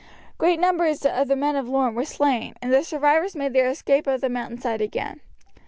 Great numbers of the men of Lorne were slain, and the survivors made their escape up the mountain side again.